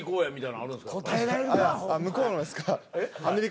ああ向こうのですか？